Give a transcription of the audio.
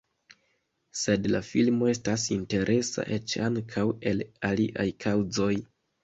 Sed la filmo estas interesa eĉ ankaŭ el aliaj kaŭzoj.